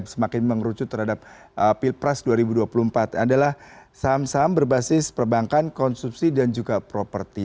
semakin mengerucut terhadap pilpres dua ribu dua puluh empat adalah saham saham berbasis perbankan konsumsi dan juga properti